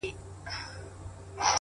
o سوال کوم کله دي ژړلي گراني ؛